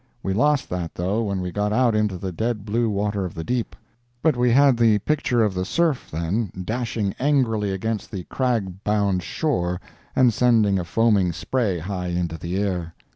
We lost that, though, when we got out into the dead blue water of the deep. But we had the picture of the surf, then, dashing angrily against the crag bound shore and sending a foaming spray high into the air.